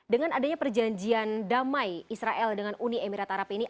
dengan adanya perjanjian damai israel dengan uni emirat arab ini